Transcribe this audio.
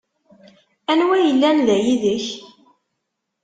Anwa yellan da yid-k?